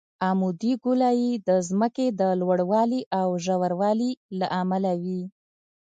عمودي ګولایي د ځمکې د لوړوالي او ژوروالي له امله وي